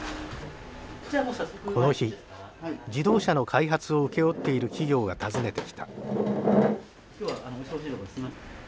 この日自動車の開発を請け負っている企業が訪ねてきた。